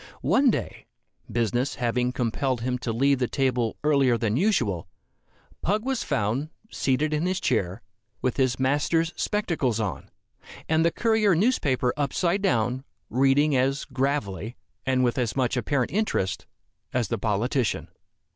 One day, business having compelled him to leave the table earlier than usual, Pug was found, seated in his chair, with his master's spectacles on, and the Courier newspaper upside down, reading as gravely, and with as much apparent interest, as the politician.